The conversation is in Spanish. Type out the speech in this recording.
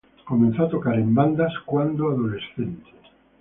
Comenzó a tocar en bandas como adolescente.